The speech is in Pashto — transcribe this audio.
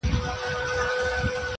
لکه وروڼه په قسمت به شریکان یو٫